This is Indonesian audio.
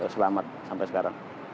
selamat sampai sekarang